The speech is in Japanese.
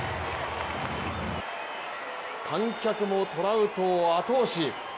観客もトラウトを後押し。